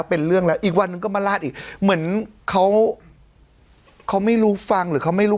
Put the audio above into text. เป็นเรื่องแล้วอีกวันนึงก็มาลาดอีกเหมือนเขาเขาไม่รู้ฟังหรือเขาไม่รู้